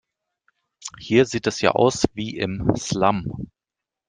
Hier sieht es ja aus wie im Slum.